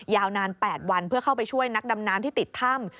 ยาวนาน๘วันเพื่อเข้าไปช่วยนักดำน้ำที่ติดถ้ำ